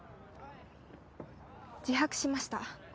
自白しました。